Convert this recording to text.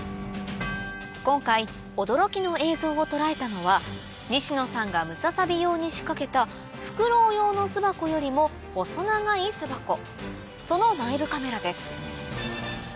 今回驚きの映像を捉えたのは西野さんがムササビ用に仕掛けたフクロウ用の巣箱よりも細長い巣箱その内部カメラです